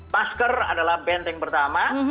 masker adalah benteng pertama